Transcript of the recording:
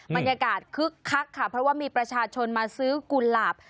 บรรยากาศคึกคักค่ะเพราะว่ามีประชาชนมาซื้อกุหลาบ